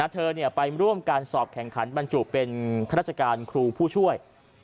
ไปร่วมการสอบแข่งขันบรรจุเป็นข้าราชการครูผู้ช่วย